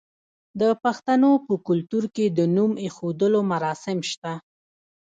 د پښتنو په کلتور کې د نوم ایښودلو مراسم شته.